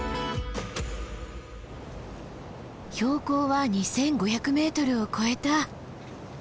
標高は２，５００ｍを越えた。